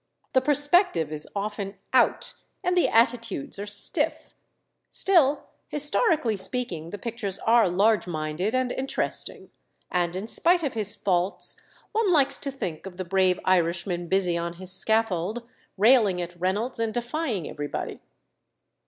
The perspective is often "out," and the attitudes are stiff; still, historically speaking, the pictures are large minded and interesting; and, in spite of his faults, one likes to think of the brave Irishman busy on his scaffold, railing at Reynolds and defying everybody.